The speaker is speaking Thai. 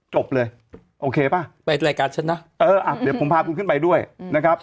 จบเลยโอเคป่ะไปรายการฉันนะเอออ่ะเดี๋ยวผมพาคุณขึ้นไปด้วยนะครับ